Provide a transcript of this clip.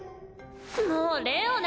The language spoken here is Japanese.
もうレオナ！